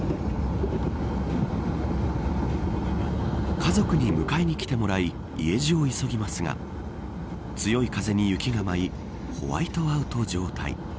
家族に迎えに来てもらい家路を急ぎますが強い風に雪が舞いホワイトアウト状態。